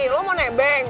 lo mau nebeng